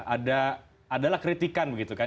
ada adalah kritikan begitu kan